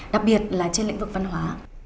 đặc biệt là trên lĩnh vực văn hóa